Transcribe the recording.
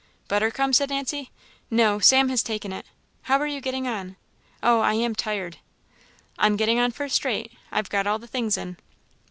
"Butter come?" said Nancy. "No, Sam has taken it. How are you getting on? Oh, I am tired!" "I'm getting on first rate; I've got all the things in."